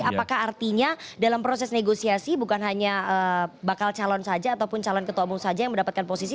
apakah artinya dalam proses negosiasi bukan hanya bakal calon saja ataupun calon ketua umum saja yang mendapatkan posisi